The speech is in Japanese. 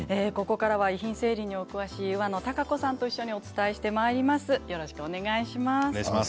遺品整理に詳しい上野貴子さんと一緒にお伝えしてまいります。